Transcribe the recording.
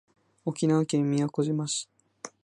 沖縄県宮古島市